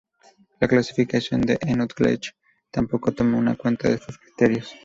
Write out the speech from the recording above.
La clasificación de Ethnologue tampoco toma en cuenta estos criterios.